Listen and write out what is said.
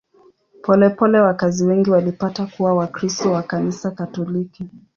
Polepole wakazi wengi walipata kuwa Wakristo wa Kanisa Katoliki.